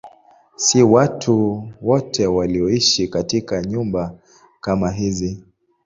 Si watu wote walioishi katika nyumba kama hizi.